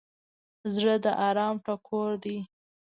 زړه د ارام ټکور دی.